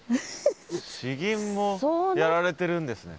詩吟もやられてるんですね。